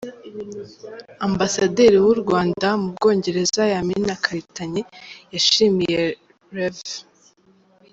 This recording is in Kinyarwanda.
Ambasaderi w’u Rwanda mu Bwongereza Yamina Karitanyi, yashimiye Rev.